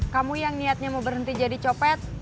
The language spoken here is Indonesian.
kamu yang niatnya mau berhenti jadi copet